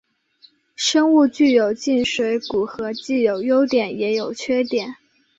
生物具有静水骨骼既有优点也有缺点。